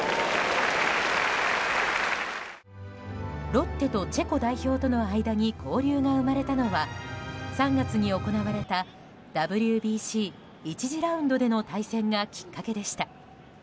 ロッテとチェコ代表との間に交流が生まれたのは３月に行われたＷＢＣ１次ラウンドでの対戦がきっかけでした。